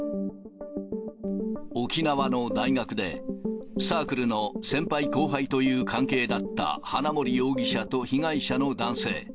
沖縄の大学で、サークルの先輩後輩という関係だった花森容疑者と被害者の男性。